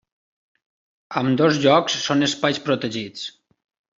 Ambdós llocs són espais protegits.